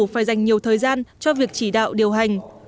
phải dành nhiều thời gian cho việc chỉ đạo điều hành